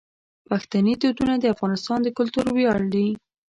پښتني دودونه د افغانستان د کلتور ویاړ دي.